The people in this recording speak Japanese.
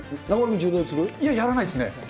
いや、やらないっすね。